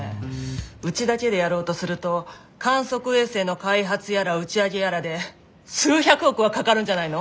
うちだけでやろうとすると観測衛星の開発やら打ち上げやらで数百億はかかるんじゃないの？